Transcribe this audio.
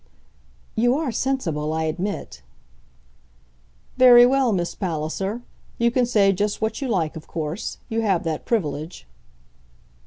"You are sensible, I admit." "Very well, Miss Palliser. You can say just what you like, of course. You have that privilege."